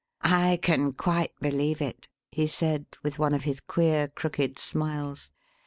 "I can quite believe it," he said, with one of his queer, crooked smiles.